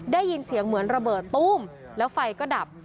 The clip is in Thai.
ได้ยินเสียงเหมือนระเบิดตู้มแล้วไฟก็ดับ